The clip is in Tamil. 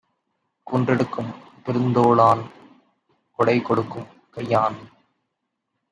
குன்றெடுக்கும் பெருந்தோளான் கொடைகொடுக்கும் கையான்!